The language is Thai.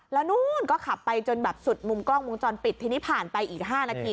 แล้วนู้นก็ขับไปจนแบบสุดมุมกล้องวงจรปิดทีนี้ผ่านไปอีก๕นาที